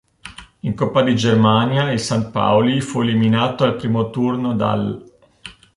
In coppa di Germania il St. Pauli fu eliminato al primo turno dall'.